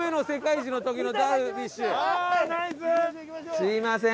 すみません